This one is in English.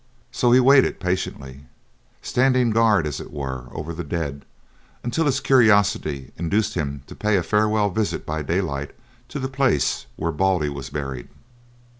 So he waited patiently, standing guard as it were over the dead, until his curiosity induced him to pay a farewell visit by daylight to the place where Baldy was buried.